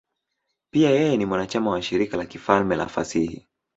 Pia yeye ni mwanachama wa Shirika la Kifalme la Fasihi.